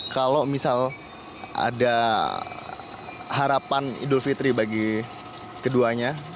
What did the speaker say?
kalau misal ada harapan idul fitri bagi keduanya